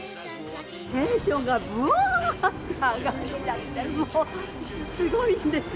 テンションがぶぉーっと上がっちゃって、もう、すごいんです。